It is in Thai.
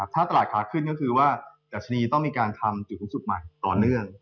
ถ้าตลาดขาขึ้นก็คือว่าดัชนีต้องมีการทำจุดสูงสุดใหม่ต่อเนื่อง